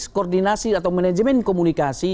koordinasi atau manajemen komunikasi